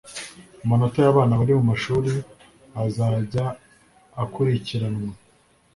amanota y'abana bari mu mashuri azajya akurikiranwa